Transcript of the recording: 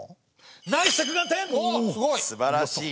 すばらしい。